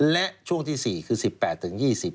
และช่วงที่สี่คือสิบแปดถึงยี่สิบ